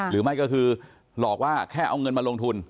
หรือไม่ก็คือหลอกว่าแค่เอาเงินมาลงทุน